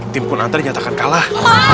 tim kun anta dinyatakan kalah